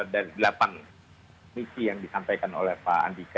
dari delapan misi yang disampaikan oleh pak andika